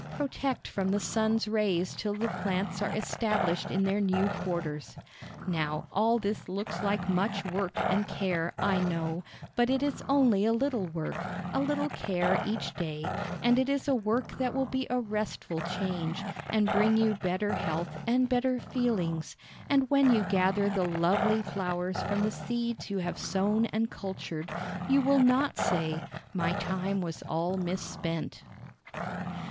Protect from the sun's rays till the plants are established in their new quarters. Now, all this looks like much work and care, I know, but it is only a little work, a little care each day, and it is a work that will be a restful change, and bring you better health and better feelings, and when you gather the lovely flowers from the seeds you have sown and cultured, you will not say: "My time was all misspent."